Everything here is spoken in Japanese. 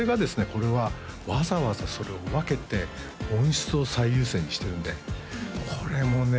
これはわざわざそれを分けて音質を最優先にしてるんでこれもね